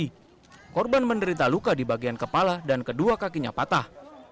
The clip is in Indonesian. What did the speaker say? ketika berlaku kebun korban menderita luka di bagian kepala dan kedua kakinya patah